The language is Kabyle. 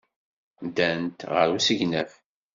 Ddant ɣer usegnaf.